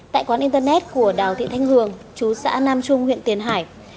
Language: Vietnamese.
tại quán internet của đào thị thanh hường chú xã nam trung huyện tiền hải